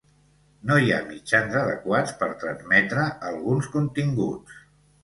No hi ha mitjans adequats per transmetre alguns continguts.